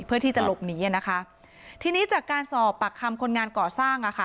เพื่อที่จะหลบหนีอ่ะนะคะทีนี้จากการสอบปากคำคนงานก่อสร้างอ่ะค่ะ